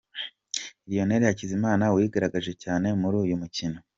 Lionel Hakizimana wigaragaje cyane muri uyu mukino.